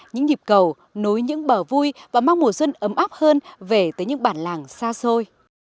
những nhịp cầu nối những bờ vui và mong mùa xuân ấm áp hơn về tới những bản làng xa xôi